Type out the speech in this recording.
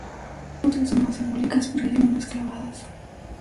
Otras son más simbólicas, pero hay algunas clavadas"".